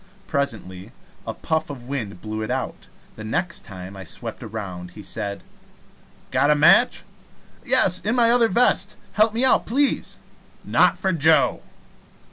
Presently a puff of wind blew it out. The next time I swept around he said: "Got a match?" "Yes; in my other vest. Help me out, please." "Not for Joe."